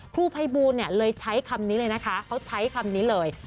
ครูภัยบูลเลยใช้คำนี้เลยนะคะเขาใช้คำนี้เลย